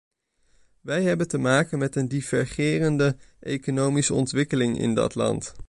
Wij hebben te maken met een divergerende economische ontwikkeling in dat land.